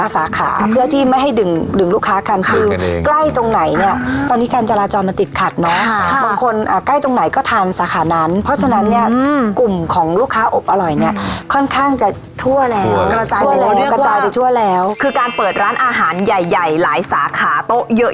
สาขาเพื่อที่ไม่ให้ดึงดึงลูกค้ากันคือใกล้ตรงไหนเนี่ยตอนนี้การจราจรมันติดขัดเนาะบางคนใกล้ตรงไหนก็ทานสาขานั้นเพราะฉะนั้นเนี่ยกลุ่มของลูกค้าอบอร่อยเนี่ยค่อนข้างจะทั่วแล้วกระจายไปแล้วเนี่ยกระจายไปทั่วแล้วคือการเปิดร้านอาหารใหญ่ใหญ่หลายสาขาโต๊ะเยอะ